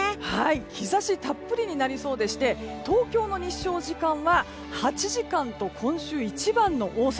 日差したっぷりになりそうでして東京の日照時間は８時間と今週一番の多さ。